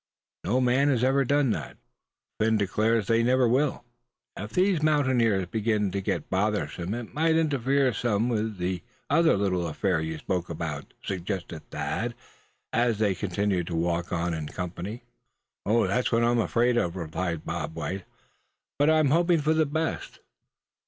No man has ever done that; Old Phin declares they never will." "If these mountaineers begin to get bothersome it might interfere some with that other little affair you spoke about?" suggested Thad, as they continued to walk on in company. "That's what I'm afraid of, suh," replied Bob White; "but I'm hoping for the best."